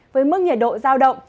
với mức nhiệt độ giao động